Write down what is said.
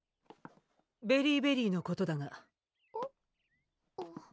ベリィベリーのことだがえっ？